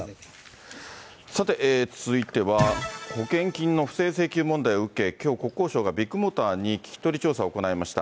さて、続いては、保険金の不正請求問題を受け、きょう、国交省がビッグモーターに聞き取り調査を行いました。